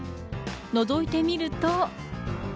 のぞいてみると。